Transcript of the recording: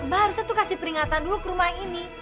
mbak harusnya tuh kasih peringatan dulu ke rumah ini